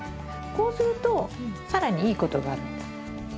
こうすると更にいいことがあるの。